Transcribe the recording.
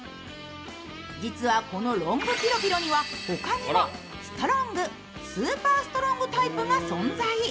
実はこのロングピロピロには他にもストロング、スーパーストロングタイプが存在。